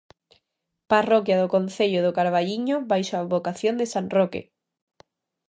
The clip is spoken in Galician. Parroquia do concello do Carballiño baixo a advocación de san Roque.